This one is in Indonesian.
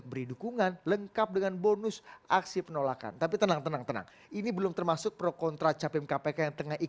bisa saja mendadak jadi ancaman